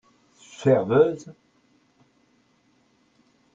Serveuse !